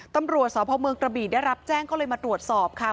ตำรวจสพเมืองกระบีได้รับแจ้งก็เลยมาตรวจสอบค่ะ